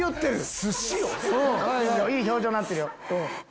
寿司を⁉いい表情になってるよ。